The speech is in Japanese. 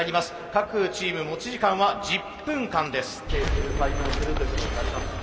各チーム持ち時間は１０分間です。